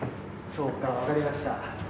そうか、分かりました。